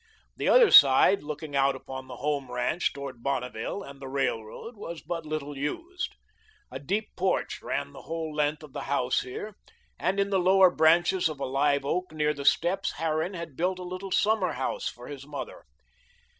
The other side, looking out upon the Home ranch toward Bonneville and the railroad, was but little used. A deep porch ran the whole length of the house here, and in the lower branches of a live oak near the steps Harran had built a little summer house for his mother.